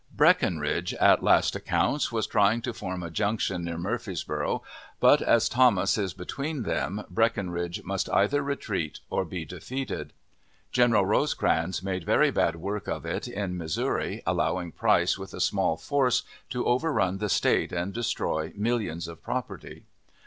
Breckenridge, at last accounts, was trying to form a junction near Murfreesboro', but, as Thomas is between them, Breckenridge must either retreat or be defeated. General Rosecrans made very bad work of it in Missouri, allowing Price with a small force to overrun the State and destroy millions of property.